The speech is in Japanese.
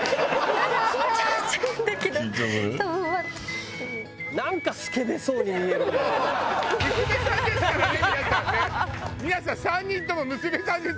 皆さん３人とも娘さんですからね！